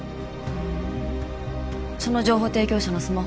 うんその情報提供者のスマホは？